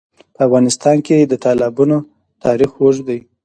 په افغانستان کې د تالابونه تاریخ اوږد دی.